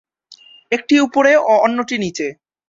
একটি উপরে ও অন্যটি নিচে।